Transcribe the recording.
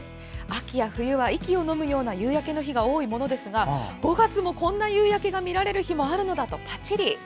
秋や冬は、息をのむような夕焼けの日が多いものですが５月も、こんな夕焼けが見られる日もあるのだとパチリ。